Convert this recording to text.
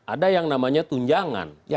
ada yang namanya tunjangan